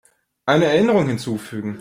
Eine Erinnerung hinzufügen.